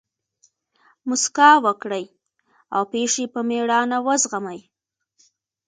مسکا وکړئ! او پېښي په مېړانه وزغمئ!